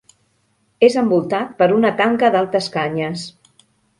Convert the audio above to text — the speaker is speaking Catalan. És envoltat per una tanca d'altes canyes.